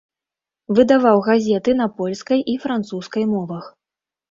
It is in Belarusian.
Выдаваў газеты на польскай і французскай мовах.